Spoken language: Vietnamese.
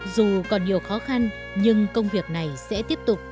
dù còn nhiều khó khăn nhưng công việc này sẽ tiếp tục